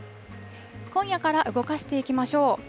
今夜から動かしていきましょう。